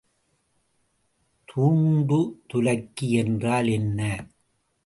தூண்டுதுலக்கி என்றால் என்ன?